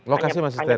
lokasi masih steril